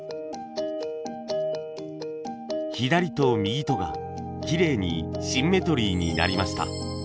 左と右とがきれいにシンメトリーになりました。